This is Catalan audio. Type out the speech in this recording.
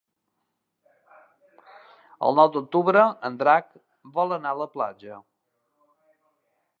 El nou d'octubre en Drac vol anar a la platja.